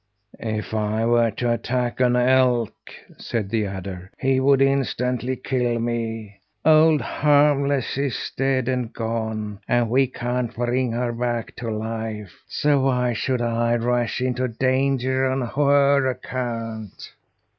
"If I were to attack an elk," said the adder, "he would instantly kill me. Old Harmless is dead and gone, and we can't bring her back to life, so why should I rush into danger on her account?"